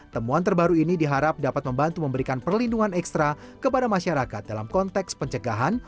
temuan terbaru ini diharap dapat membantu memberikan perlindungan ekstra kepada masyarakat dalam konteks pencegahan